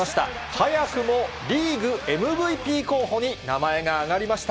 早くもリーグＭＶＰ候補に名前が挙がりました。